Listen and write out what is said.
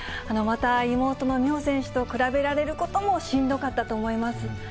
また、妹の美帆選手と比べられることもしんどかったと思います。